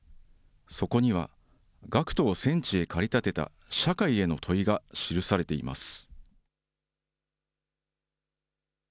そこには、学徒を戦地へ駆り立てた社会への問いが記されています。